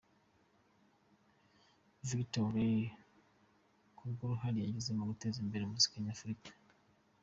Victor Olaiya, kubw’uruhare yagize mu guteza imbere muzika nyafurika.